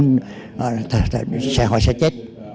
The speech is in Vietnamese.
họ sẽ chết